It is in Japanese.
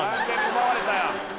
奪われたよ。